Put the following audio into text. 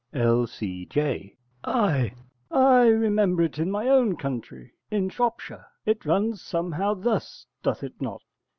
_' L.C.J. Ay, I remember it in my own country, in Shropshire. It runs somehow thus, doth it not?